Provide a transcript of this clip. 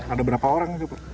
ada berapa orang